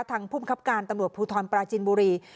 ภูมิครับการตำรวจภูทรปราจินบุรี